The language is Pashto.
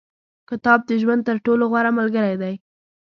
• کتاب، د ژوند تر ټولو غوره ملګری دی.